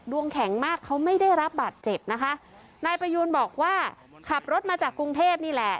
ดวงแข็งมากเขาไม่ได้รับบาดเจ็บนะคะนายประยูนบอกว่าขับรถมาจากกรุงเทพนี่แหละ